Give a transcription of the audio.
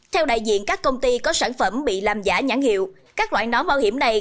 theo đại diện các công ty có sản phẩm bị làm giả nhãn hiệu các loại nón bảo hiểm này